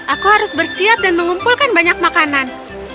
aku harus bersiap dan mengumpulkan banyak makanan